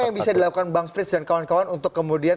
apa yang bisa dilakukan bang frits dan kawan kawan untuk kemudian